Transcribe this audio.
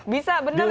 bisa benar ya